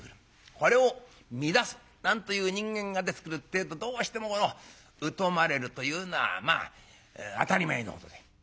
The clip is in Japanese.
これを乱すなんという人間が出てくるってえとどうしてもこの疎まれるというのはまあ当たり前のことで。